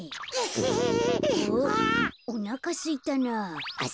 おなかすいたなあ。